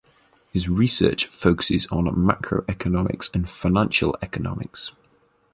His research focuses on macroeconomics and financial economics.